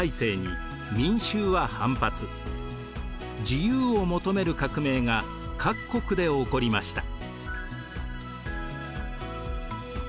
自由を求める革命が各国で起こりました。